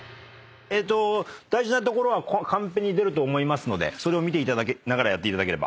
えーっと大事なところはカンペに出ると思いますのでそれを見ていただきながらやっていただければ。